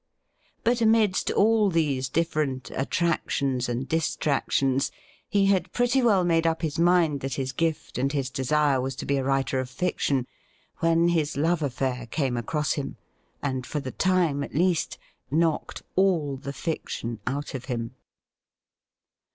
But amidst all these different attrac tions and distractions he had pretty well made up his mind that his gift and his desire was to be a writer of fiction — when his love affair came across him, and for the time, at least, knocked all the fiction out of him.